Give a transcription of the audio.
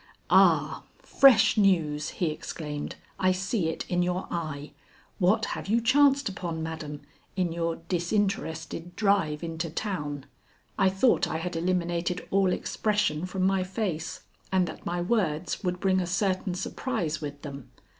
"Ah, fresh news!" he exclaimed. "I see it in your eye. What have you chanced upon, madam, in your disinterested drive into town?" I thought I had eliminated all expression from my face, and that my words would bring a certain surprise with them.